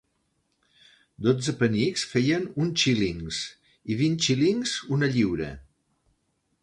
Dotze penics feien un xílings i vint xílings, una lliura.